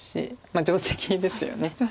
まあ定石ですよね。